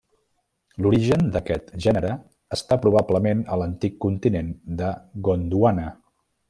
L'origen d'aquest gènere està probablement a l'antic continent de Gondwana.